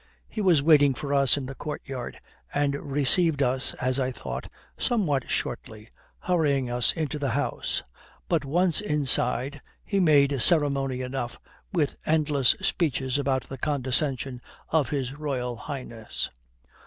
He was waiting for us in the courtyard and received us, as I thought, something shortly, hurrying us into the house. But once inside, he made ceremony enough, with endless speeches about the condescension of His Royal Highness.